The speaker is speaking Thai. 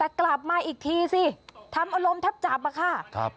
แต่กลับมาอีกทีสิทำอารมณ์ทับจับอะค่ะครับ